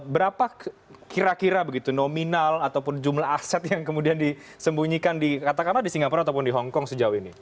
berapa kira kira begitu nominal ataupun jumlah aset yang kemudian disembunyikan di katakanlah di singapura ataupun di hongkong sejauh ini